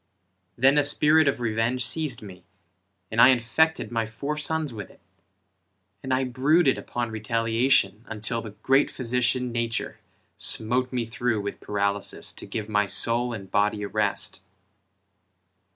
Then a spirit of revenge seized me, And I infected my four sons with it, And I brooded upon retaliation, Until the great physician, Nature, Smote me through with paralysis To give my soul and body a rest.